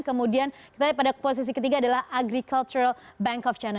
kemudian kita pada posisi ketiga adalah agricultural bank of china